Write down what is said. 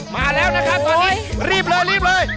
มาแล้วนะครับตอนนี้รีบเลยรีบเลย